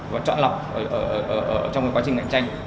và trọn lọc trong cái quá trình cạnh tranh